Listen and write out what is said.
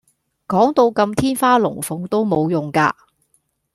講到咁天花龍鳳都無用架